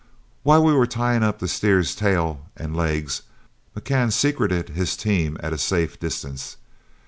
While we were tying up the steer's tail and legs, McCann secreted his team at a safe distance.